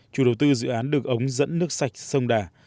chủ đầu tư dự án được ống dẫn nước sạch sông đà